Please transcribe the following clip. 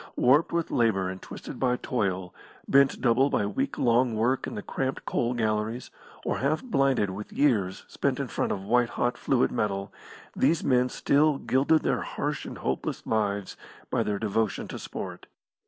Warped with labour and twisted by toil, bent double by week long work in the cramped coal galleries or half blinded with years spent in front of white hot fluid metal, these men still gilded their harsh and hopeless lives by their devotion to sport.